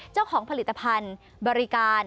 เจ้าของผลิตภัณฑ์บริการ